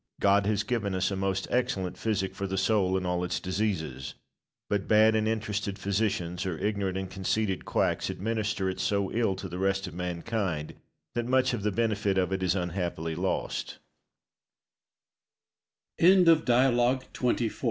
God has given us a most excellent physic for the soul in all its diseases, but bad and interested physicians, or ignorant and conceited quacks, administer it so ill to the rest of mankind that much of the benefit of it is unha